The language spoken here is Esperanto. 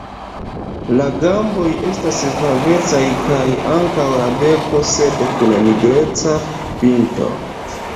La gamboj estas flavecaj kaj ankaŭ la beko, sed kun nigreca pinto.